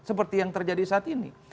seperti yang terjadi saat ini